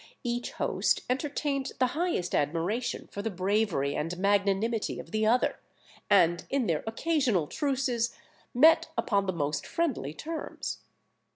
Each host entertained the highest admiration for the bravery and magnanimity of the other, and, in their occasional truces, met upon the most friendly terms.